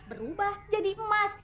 berubah jadi emas